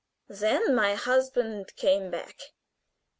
Then my husband came back.